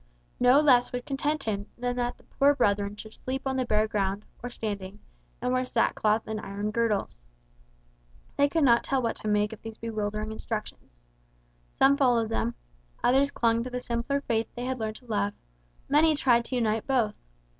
No less would content him than that the poor brethren should sleep on the bare ground, or standing; and wear sackcloth and iron girdles. They could not tell what to make of these bewildering instructions. Some followed them, others clung to the simpler faith they had learned to love, many tried to unite both.